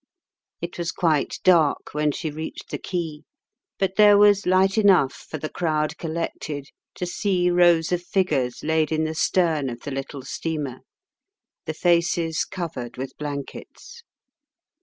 It was quite dark when she reached the quay, but there was light enough for the crowd collected to see rows of figures laid in the stern of the little steamer, the faces covered with blankets.